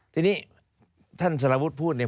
ทีนี้ท่านสารวุฒิพูดเนี่ย